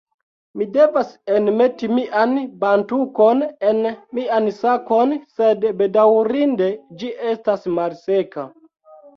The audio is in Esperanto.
Mi devas enmeti mian bantukon en mian sakon sed bedaŭrinde ĝi estas malseka